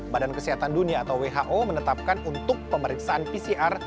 badan kesehatan dunia atau who menetapkan untuk pemeriksaan pcr